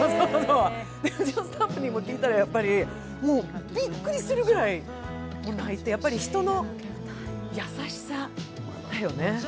うちのスタッフにも聞いたら、びっくりするくらい泣いてやっぱり人の優しさだよね。